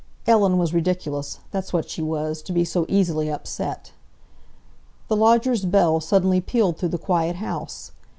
Ellen was ridiculous—that's what she was, to be so easily upset. The lodger's bell suddenly pealed through the quiet house.